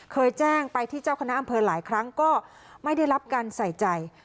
เคยแจ้งไปที่เจ้าคณะอำเภอหลายครั้งก็ไม่ได้รับการใส่ใจ